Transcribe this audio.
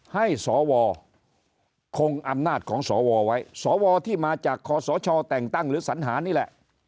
ให้สวคงอำนาจของสวไว้สวที่มาจากคอสชแต่งตั้งหรือสัญหานี่แหละ